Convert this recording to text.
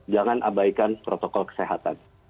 jangan abaikan protokol kesehatan